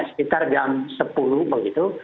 sekitar jam sepuluh begitu